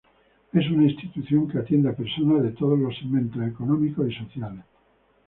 Es una institución que atiende a personas de todos los segmentos económicos y sociales.